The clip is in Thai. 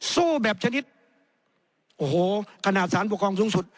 สู้แบบชนิดโอ้โหขนาดสารปกครองสูงสุด